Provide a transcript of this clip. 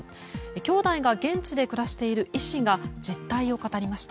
きょうだいが現地で暮らしている医師が実態を語りました。